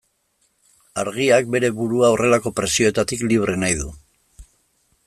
Argiak bere burua horrelako presioetatik libre nahi du.